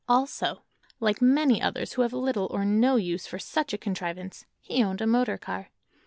Also, like many others who have little or no use for such a contrivance, he owned a motor car.